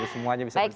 semuanya bisa berjalan